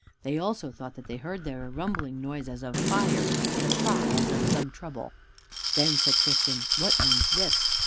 They also thought that they heard there a rumbling noise as of fire, and a cry as of some in trouble. Then said Christian, "What means this?"